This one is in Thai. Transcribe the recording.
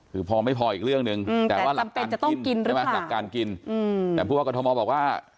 คือพอไม่พออีกเรื่องหนึ่งแต่ว่าหลักการกินแต่ว่ากฏมบอกว่า